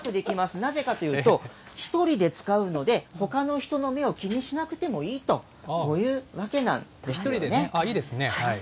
なぜかというと、１人で使うので、ほかの人の目を気にしなくてもいいというわけなんですよね。